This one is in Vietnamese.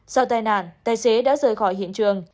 sau tai nạn tài xế đã rời khỏi hiện trường